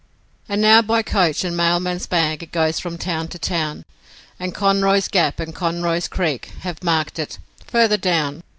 And now by coach and mailman's bag it goes from town to town, And Conroy's Gap and Conroy's Creek have marked it 'further down'.